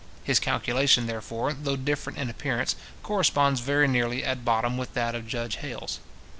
His calculation, therefore, though different in appearance, corresponds very nearly at bottom with that of Judge Hales.